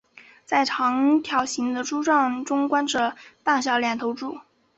在长条形的猪圈中关着大小两头猪。